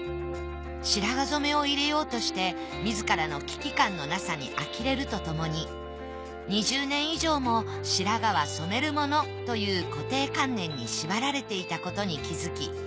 白髪染めを入れようとして自らの危機感のなさにあきれるとともに２０年以上も白髪は染めるものという固定観念に縛られていたことに気付き